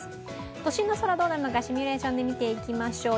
都心の空、どうなるのか、シミュレーションで見ていきましょう。